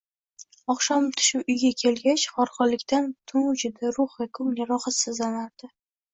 Oqshom tushib uyga kelgach, horg'inlikdan butun vujudi, ruhi, ko'ngli rohatsizlanardi.